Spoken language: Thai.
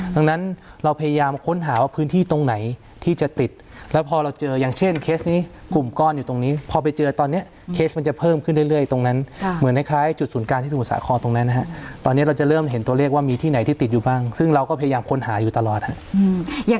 ดังนั้นเราพยายามค้นหาว่าพื้นที่ตรงไหนที่จะติดแล้วพอเราเจออย่างเช่นเคสนี้กลุ่มก้อนอยู่ตรงนี้พอไปเจอตอนนี้เคสมันจะเพิ่มขึ้นเรื่อยตรงนั้นเหมือนคล้ายจุดศูนย์กลางที่สมุทรสาครตรงนั้นนะฮะตอนนี้เราจะเริ่มเห็นตัวเลขว่ามีที่ไหนที่ติดอยู่บ้างซึ่งเราก็พยายามค้นหาอยู่ตลอดครับ